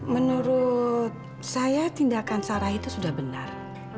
menurut saya tindakan sarah itu sudah benar